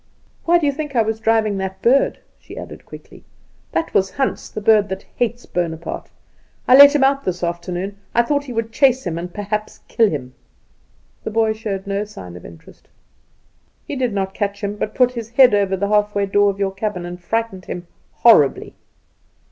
Why do you think I was driving that bird?" she added quickly. "That was Hans, the bird that hates Bonaparte. I let him out this afternoon; I thought he would chase him and perhaps kill him." The boy showed no sign of interest. "He did not catch him; but he put his head over the half door of your cabin and frightened him horribly.